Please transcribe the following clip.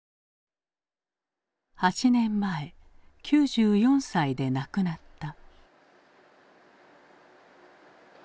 ８年前９４歳で亡くなった。